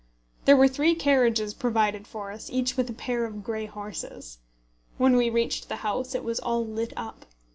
There were three carriages provided for us, each with a pair of grey horses. When we reached the house it was all lit up.